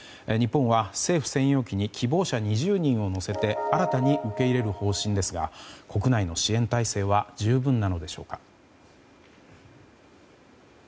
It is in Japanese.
日本は、政府専用機に希望者２０人を乗せて新たに受け入れる方針ですが国内の支援体制は十分なのでしょうか。